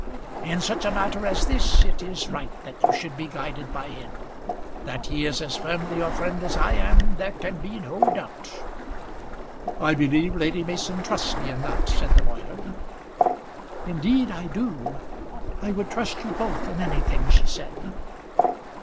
"In such a matter as this it is right that you should be guided by him. That he is as firmly your friend as I am there can be no doubt." "I believe Lady Mason trusts me in that," said the lawyer. "Indeed I do; I would trust you both in anything," she said.